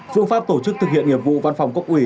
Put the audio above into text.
phương pháp tổ chức thực hiện nghiệp vụ văn phòng cấp ủy